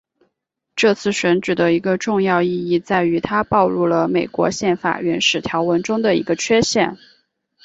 这次选举的一个重要意义在于它暴露了美国宪法原始条文中的一个缺陷。